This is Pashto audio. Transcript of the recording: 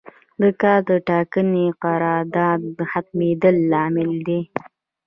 د کار د ټاکلي قرارداد ختمیدل لامل دی.